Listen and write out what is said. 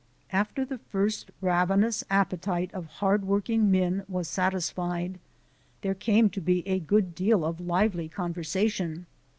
After the first ravenous appetite of hardworking men was satisfied, there came to be a good deal of lively conversation.